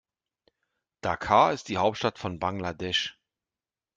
Dhaka ist die Hauptstadt von Bangladesch.